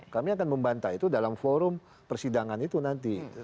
kami akan membantah itu dalam forum persidangan itu nanti